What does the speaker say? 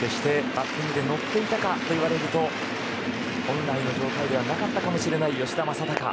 決して、バッティングで乗っていたかといわれると本来の状態ではなかったかもしれない吉田正尚。